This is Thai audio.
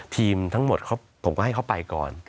ทั้งหมดผมก็ให้เขาไปก่อน